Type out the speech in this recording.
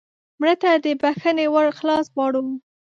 مړه ته د بښنې ور خلاص غواړو